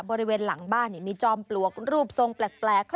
บริเวณหลังบ้านมีจอมปลวกรูปทรงแปลก